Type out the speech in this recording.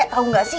tau gak sih